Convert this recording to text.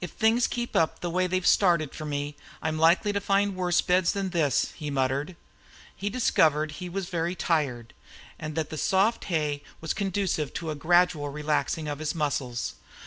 "If things keep up the way they've started for me I'm likely to find worse beds than this," he muttered. He discovered he was very tired, and that the soft hay was conducive to a gradual relaxing of his muscles.